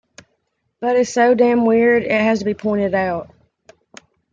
But is so damn weird it has to be pointed out.